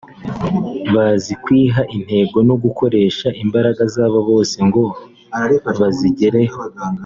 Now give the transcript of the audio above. bazi kwiha intego no gukoresha imbaraga zabo zose ngo bazigereho